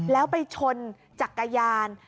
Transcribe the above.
แล้วไปชนจักรยาน